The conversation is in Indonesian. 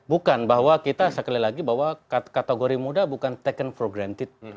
bukan bahwa kita sekali lagi bahwa kategori muda bukan taken for granted